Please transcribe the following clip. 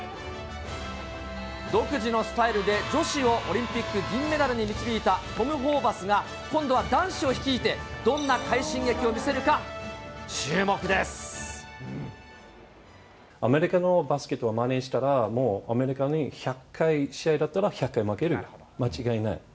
独自のスタイルで女子をオリンピック銀メダルに導いたトム・ホーバスが、今度は男子を率いて、どんな快進撃を見せるか、注目でアメリカのバスケットをまねしたら、もうアメリカに１００回試合だったら、１００回負ける、間違いない。